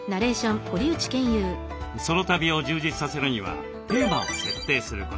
ソロ旅を充実させるにはテーマを設定する。